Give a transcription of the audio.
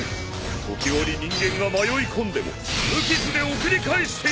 時折人間が迷い込んでも無傷で送り返していた！